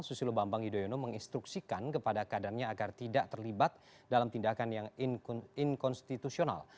susilo bambang yudhoyono menginstruksikan kepada kadarnya agar tidak terlibat dalam tindakan yang inkonstitusional